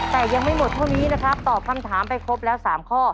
แต่ยังไม่หมดเท่านี้นะครับตอบคำถามไปครบแล้ว๓ข้อ